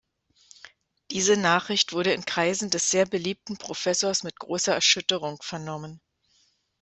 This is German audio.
Diese Nachricht wurde in Kreisen des sehr beliebten Professors mit großer Erschütterung vernommen.